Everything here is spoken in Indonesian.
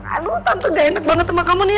aduh tante gak enak banget sama kamu nih